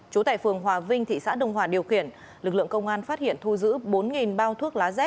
trú tại phường hòa vinh thị xã đông hòa điều khiển lực lượng công an phát hiện thu giữ bốn bao thuốc lá z